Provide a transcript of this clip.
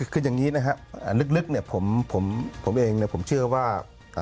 คืออย่างนี้นะครับลึกเนี่ยผมเองผมเชื่อว่า